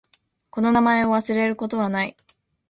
この名前を忘れることはない。